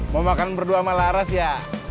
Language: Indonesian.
mau makan berdua sama laras ya